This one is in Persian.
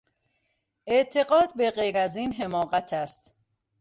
اعتقاد به غیر از این حماقت است.